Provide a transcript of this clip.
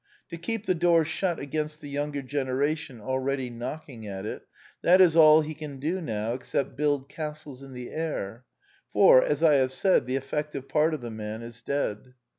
To keep the door shut against the younger generation already knocking at it: that is all he can do now, except build castles in the air; for, as I have said, the effective part of the man is dead.